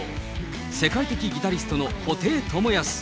世界的ギタリストの布袋寅泰。